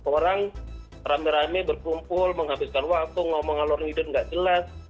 orang rame rame berkumpul menghabiskan waktu ngomong ngalor nidun nggak jelas